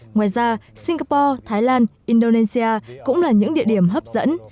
ngoài ra singapore thái lan indonesia cũng là những địa điểm hấp dẫn